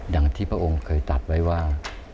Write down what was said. อย่างที่พระองค์เคยตัดไว้ว่า